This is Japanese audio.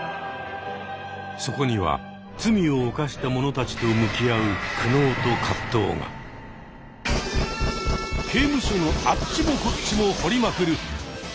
そこには罪を犯した者たちと向き合う刑務所のあっちもこっちも掘りまくる！